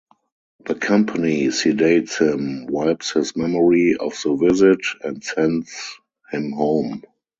The company sedates him, wipes his memory of the visit, and sends him home.